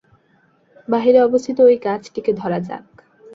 বাহিরে অবস্থিত ঐ গাছটিকে ধরা যাক।